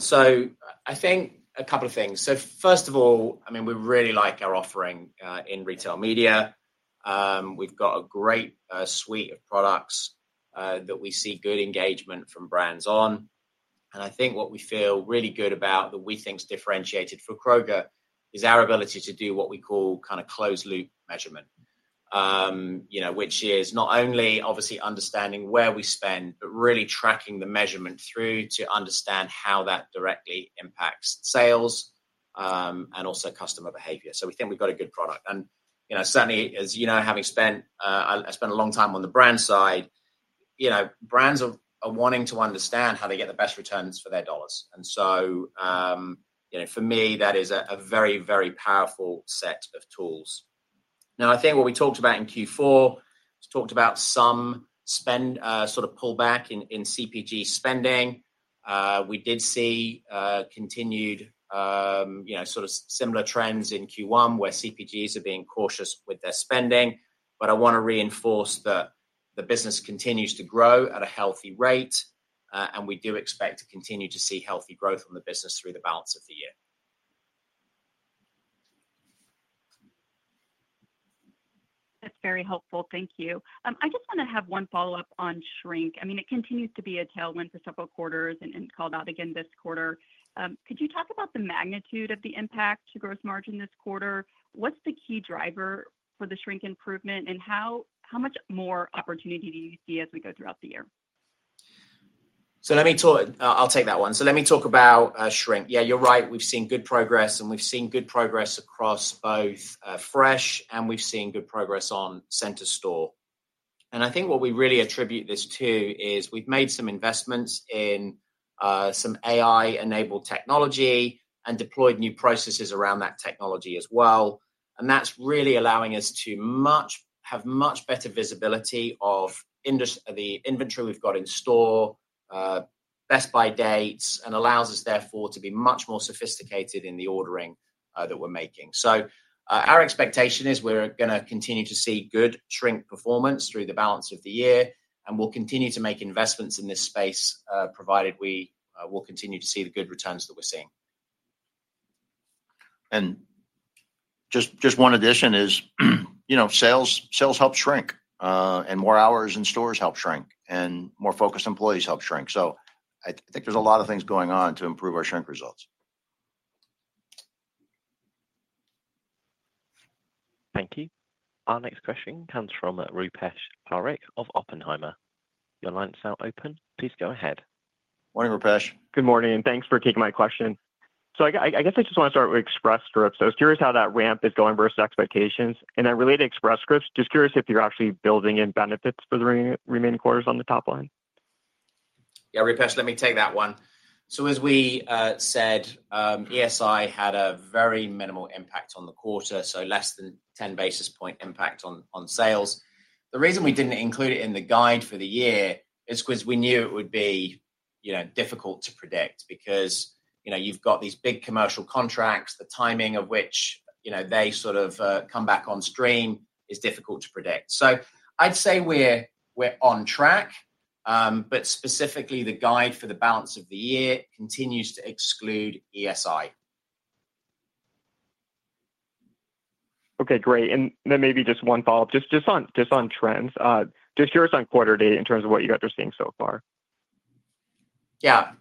I think a couple of things. First of all, I mean, we really like our offering in retail media. We've got a great suite of products that we see good engagement from brands on. I think what we feel really good about that we think is differentiated for Kroger is our ability to do what we call kind of closed-loop measurement, which is not only obviously understanding where we spend, but really tracking the measurement through to understand how that directly impacts sales and also customer behavior. We think we've got a good product. Certainly, as you know, having spent, I spent a long time on the brand side, brands are wanting to understand how they get the best returns for their dollars. For me, that is a very, very powerful set of tools. Now, I think what we talked about in Q4, we talked about some sort of pullback in CPG spending. We did see continued sort of similar trends in Q1 where CPGs are being cautious with their spending. I want to reinforce that the business continues to grow at a healthy rate, and we do expect to continue to see healthy growth in the business through the balance of the year. That's very helpful. Thank you. I just want to have one follow-up on shrink. I mean, it continues to be a tailwind for several quarters and called out again this quarter. Could you talk about the magnitude of the impact to gross margin this quarter? What's the key driver for the shrink improvement, and how much more opportunity do you see as we go throughout the year? I'll take that one. Let me talk about shrink. Yeah, you're right. We've seen good progress, and we've seen good progress across both fresh, and we've seen good progress on center store. I think what we really attribute this to is we've made some investments in some AI-enabled technology and deployed new processes around that technology as well. That's really allowing us to have much better visibility of the inventory we've got in store, best buy dates, and allows us therefore to be much more sophisticated in the ordering that we're making. Our expectation is we're going to continue to see good shrink performance through the balance of the year, and we'll continue to make investments in this space provided we will continue to see the good returns that we're seeing. Just one addition is sales help shrink, and more hours in stores help shrink, and more focused employees help shrink. I think there's a lot of things going on to improve our shrink results. Thank you. Our next question comes from Rupesh Parikh of Oppenheimer. Your line's now open. Please go ahead. Morning, Rupesh. Good morning. Thanks for taking my question. I just want to start with Express Scripts. I was curious how that ramp is going versus expectations. Then related to Express Scripts, just curious if you're actually building in benefits for the remaining quarters on the top line. Yeah, Rupesh, let me take that one. As we said, ESI had a very minimal impact on the quarter, so less than 10 basis point impact on sales. The reason we didn't include it in the guide for the year is because we knew it would be difficult to predict because you've got these big commercial contracts. The timing of which they sort of come back on stream is difficult to predict. I'd say we're on track, but specifically the guide for the balance of the year continues to exclude ESI. Okay. Great. Maybe just one follow-up, just on trends. Just curious on quarterly in terms of what you guys are seeing so far. Yeah.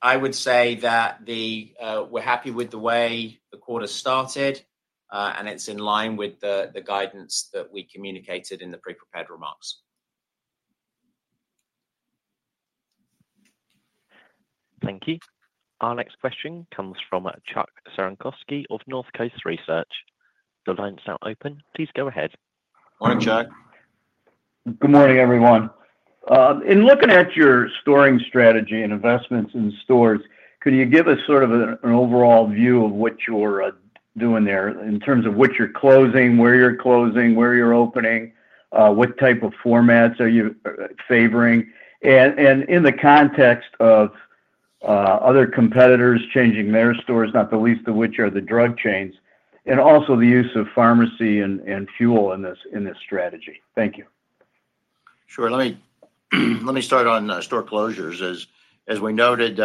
I would say that we're happy with the way the quarter started, and it's in line with the guidance that we communicated in the pre-prepared remarks. Thank you. Our next question comes from Chuck Cerankosky of Northcoast Research. Your line's now open. Please go ahead. Morning, Chuck. Good morning, everyone. In looking at your storing strategy and investments in stores, could you give us sort of an overall view of what you're doing there in terms of what you're closing, where you're closing, where you're opening, what type of formats are you favoring, and in the context of other competitors changing their stores, not the least of which are the drug chains, and also the use of pharmacy and fuel in this strategy? Thank you. Sure. Let me start on store closures. As we noted,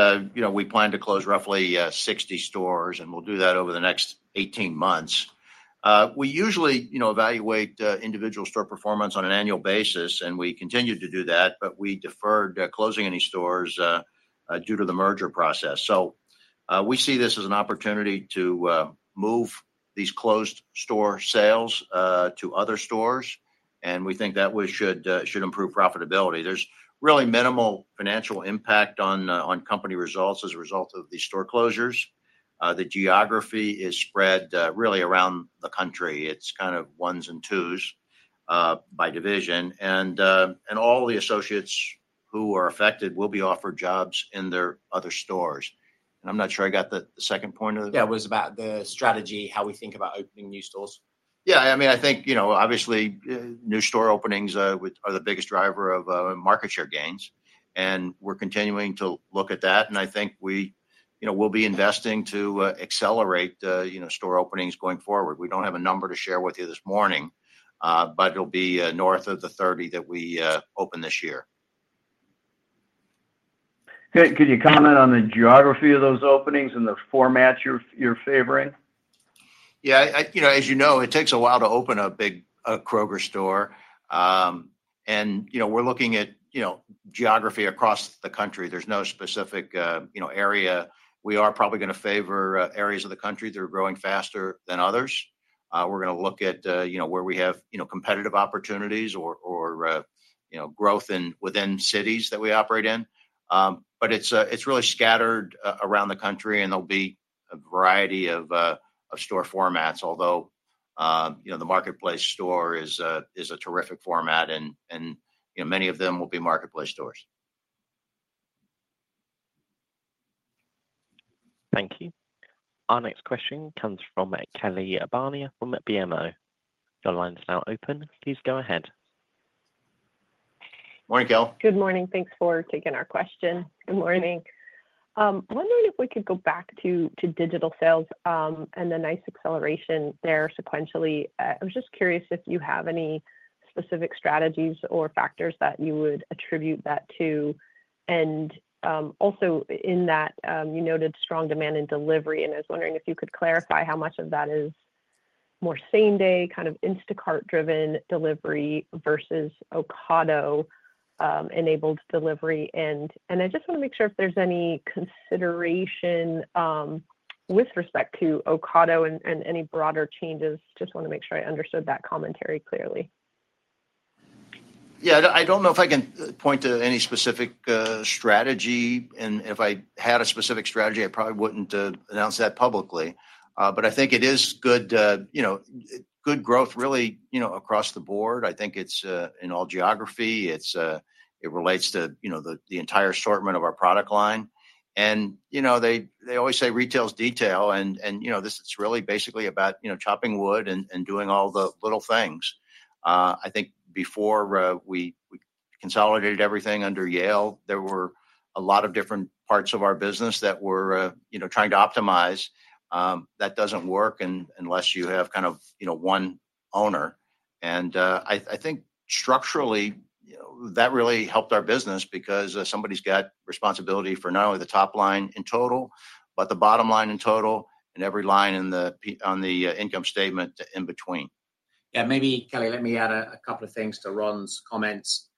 we plan to close roughly 60 stores, and we'll do that over the next 18 months. We usually evaluate individual store performance on an annual basis, and we continue to do that, but we deferred closing any stores due to the merger process. We see this as an opportunity to move these closed-store sales to other stores, and we think that should improve profitability. There's really minimal financial impact on company results as a result of these store closures. The geography is spread really around the country. It's kind of ones and twos by division. All the associates who are affected will be offered jobs in their other stores. I'm not sure I got the second point of the. Yeah. It was about the strategy, how we think about opening new stores. Yeah. I mean, I think obviously new store openings are the biggest driver of market share gains, and we're continuing to look at that. I think we'll be investing to accelerate store openings going forward. We don't have a number to share with you this morning, but it'll be north of the 30 that we open this year. Could you comment on the geography of those openings and the formats you're favoring? Yeah. As you know, it takes a while to open a big Kroger store. We are looking at geography across the country. There is no specific area. We are probably going to favor areas of the country that are growing faster than others. We are going to look at where we have competitive opportunities or growth within cities that we operate in. It is really scattered around the country, and there will be a variety of store formats, although the marketplace store is a terrific format, and many of them will be marketplace stores. Thank you. Our next question comes from Kelly Bania from BMO. Your line is now open. Please go ahead. Morning, Kel. Good morning. Thanks for taking our question. Good morning. Wondering if we could go back to digital sales and the nice acceleration there sequentially. I was just curious if you have any specific strategies or factors that you would attribute that to. Also, in that, you noted strong demand and delivery, and I was wondering if you could clarify how much of that is more same-day kind of Instacart-driven delivery versus Ocado-enabled delivery. I just want to make sure if there's any consideration with respect to Ocado and any broader changes. I just want to make sure I understood that commentary clearly. Yeah. I don't know if I can point to any specific strategy. If I had a specific strategy, I probably wouldn't announce that publicly. I think it is good growth really across the board. I think it's in all geography. It relates to the entire assortment of our product line. They always say retail's detail, and this is really basically about chopping wood and doing all the little things. I think before we consolidated everything under Yael, there were a lot of different parts of our business that were trying to optimize. That does not work unless you have kind of one owner. I think structurally, that really helped our business because somebody's got responsibility for not only the top line in total, but the bottom line in total and every line on the income statement in between. Yeah. Maybe, Kelly, let me add a couple of things to Ron's comments.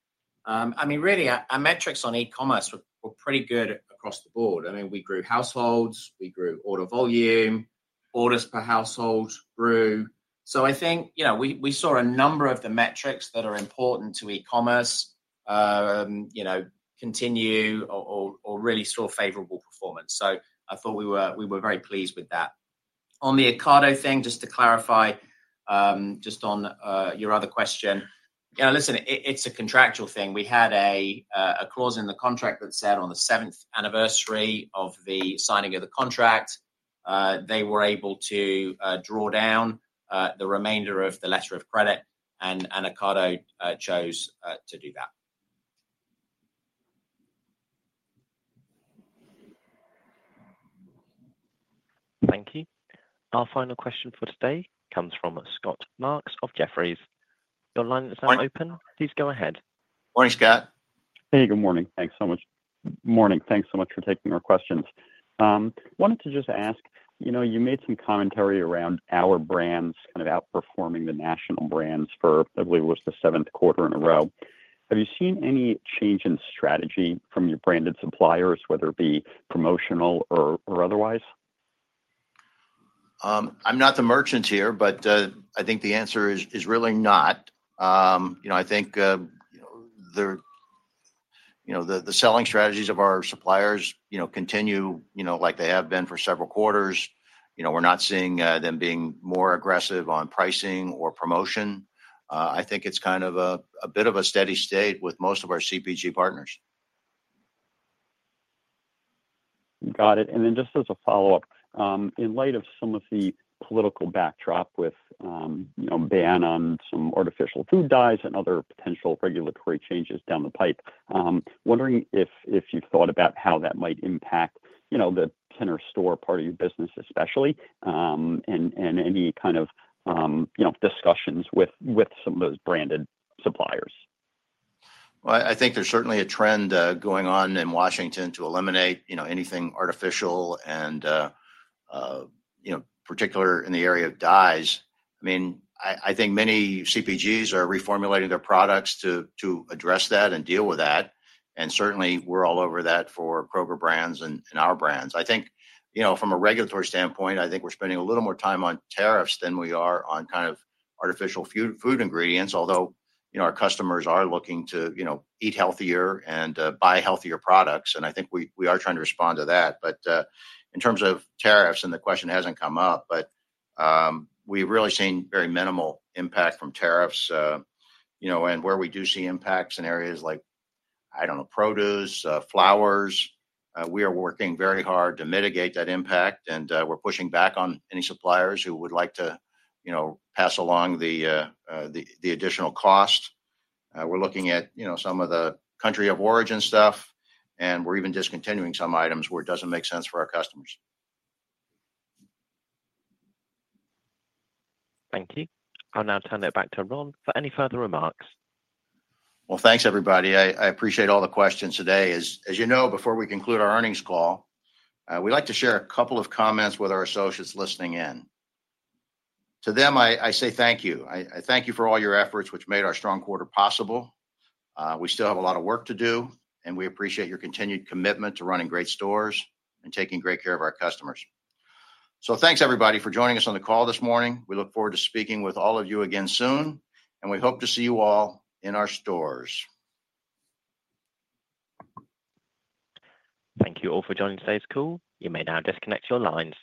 I mean, really, our metrics on e-commerce were pretty good across the board. I mean, we grew households. We grew order volume. Orders per household grew. I think we saw a number of the metrics that are important to e-commerce continue or really saw favorable performance. I thought we were very pleased with that. On the Ocado thing, just to clarify, just on your other question, yeah, listen, it's a contractual thing. We had a clause in the contract that said on the seventh anniversary of the signing of the contract, they were able to draw down the remainder of the letter of credit, and Ocado chose to do that. Thank you. Our final question for today comes from Scott Marks of Jefferies. Your line is now open. Please go ahead. Morning, Scott. Hey, good morning. Thanks so much. Morning. Thanks so much for taking our questions. Wanted to just ask, you made some commentary around our brands kind of outperforming the national brands for, I believe, it was the seventh quarter in a row. Have you seen any change in strategy from your branded suppliers, whether it be promotional or otherwise? I'm not the merchant here, but I think the answer is really not. I think the selling strategies of our suppliers continue like they have been for several quarters. We're not seeing them being more aggressive on pricing or promotion. I think it's kind of a bit of a steady state with most of our CPG partners. Got it. Just as a follow-up, in light of some of the political backdrop with ban on some artificial food dyes and other potential regulatory changes down the pipe, wondering if you've thought about how that might impact the center store part of your business, especially, and any kind of discussions with some of those branded suppliers. I think there's certainly a trend going on in Washington to eliminate anything artificial and particular in the area of dyes. I mean, I think many CPGs are reformulating their products to address that and deal with that. And certainly, we're all over that for Kroger brand and our brands. I think from a regulatory standpoint, I think we're spending a little more time on tariffs than we are on kind of artificial food ingredients, although our customers are looking to eat healthier and buy healthier products. I think we are trying to respond to that. In terms of tariffs, and the question hasn't come up, but we've really seen very minimal impact from tariffs. Where we do see impacts in areas like, I don't know, produce, flowers, we are working very hard to mitigate that impact, and we're pushing back on any suppliers who would like to pass along the additional cost. We're looking at some of the country of origin stuff, and we're even discontinuing some items where it doesn't make sense for our customers. Thank you. I'll now turn it back to Ron for any further remarks. Thanks, everybody. I appreciate all the questions today. As you know, before we conclude our earnings call, we'd like to share a couple of comments with our associates listening in. To them, I say thank you. I thank you for all your efforts, which made our strong quarter possible. We still have a lot of work to do, and we appreciate your continued commitment to running great stores and taking great care of our customers. Thanks, everybody, for joining us on the call this morning. We look forward to speaking with all of you again soon, and we hope to see you all in our stores. Thank you all for joining today's call. You may now disconnect your lines.